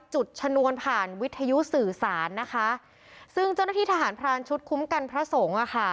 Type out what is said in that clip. จุดชนวนผ่านวิทยุสื่อสารนะคะซึ่งเจ้าหน้าที่ทหารพรานชุดคุ้มกันพระสงฆ์อ่ะค่ะ